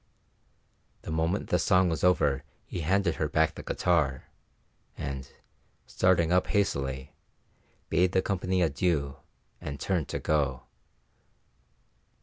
The moment the song was over he handed her back the guitar, and, starting up hastily, bade the company adieu, and turned to go.